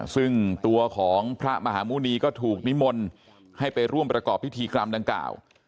ซึ่งตัวของพระมหาหมุณีก็ถูกนิมนต์ให้ไปร่วมประกอบพิธีกรรมดังกล่าว